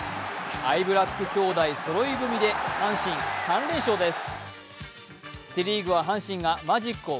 アイブラック兄弟そろい踏みで阪神、３連勝です。